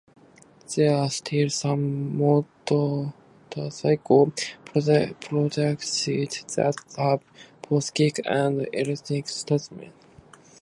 There are still some motorcycles produced that have both kick and electric starters.